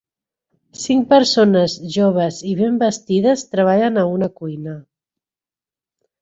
Cinc persones joves i ben vestides treballen a una cuina.